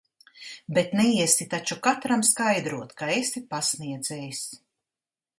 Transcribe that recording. Bet neiesi taču katram skaidrot, ka esi pasniedzējs.